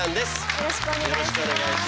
よろしくお願いします。